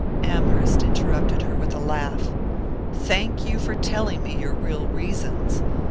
Amherst interrupted her with a laugh. "Thank you for telling me your real reasons.